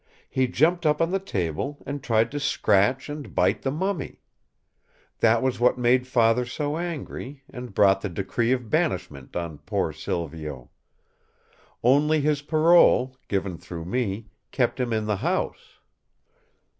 He jumped up on the table, and tried to scratch and bite the mummy. That was what made Father so angry, and brought the decree of banishment on poor Silvio. Only his parole, given through me, kept him in the house."